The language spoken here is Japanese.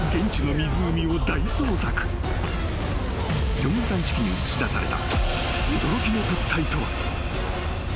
［魚群探知機に映し出された］